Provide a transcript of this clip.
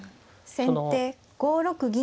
先手５六銀。